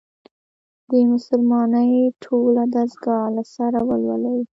د «مسلمانۍ ټوله دستګاه» له سره ولولي.